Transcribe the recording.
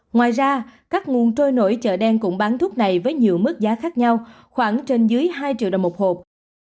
ngoài ra các nguồn trôi nổi chợ đen cũng bán thuốc này với nhiều mức giá khác nhau khoảng trên dưới hai triệu đồng một hộp